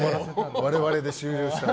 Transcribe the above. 我々で終了した。